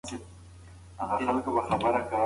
ارمان کاکا د باغ هره ونه په خپل نوم پېژني.